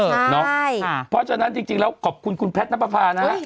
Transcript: ใช่ค่ะเพราะฉะนั้นจริงแล้วก็ขอบคุณคุณแพทย์น้ำปะพานะ